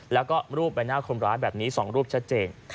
แล้วก็รูปใบหน้าคนร้ายแบบนี้๒รูปชัดเจน